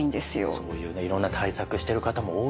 そういうねいろんな対策してる方も多いと思います。